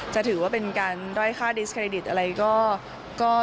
จะถือว่าเป็นการด้อยค่าดิสเครดิตอะไรก็